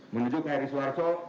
menuju kari suarjo